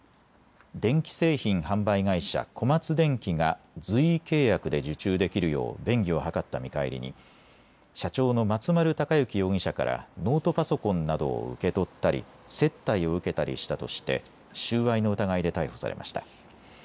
電気製品販売会社、小松電器が随意契約で受注できるよう便宜を図った見返りに、社長の松丸孝之容疑者からノートパソコンなどを受け取ったり接待を受けたりしたとして収賄の疑いで逮捕されました。